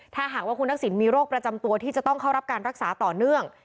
ถ้าหากว่าคุณทักษิณมีโรคประจำตัวที่จะต้องเข้ารับการรักษาต่อเนื่อง